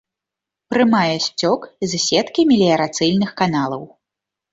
Прымае сцёк з сеткі меліярацыйных каналаў.